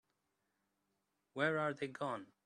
Where are they gone?